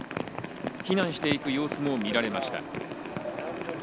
避難していく様子も見られました。